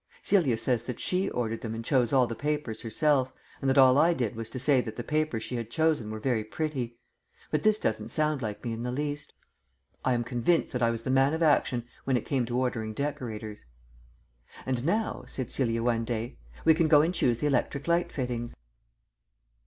Celia says that she ordered them and chose all the papers herself, and that all I did was to say that the papers she had chosen were very pretty; but this doesn't sound like me in the least. I am convinced that I was the man of action when it came to ordering decorators. "And now," said Celia one day, "we can go and choose the electric light fittings."